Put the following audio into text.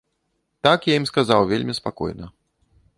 Так я ім сказаў вельмі спакойна.